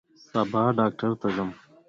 سبا ډاکټر ته ځم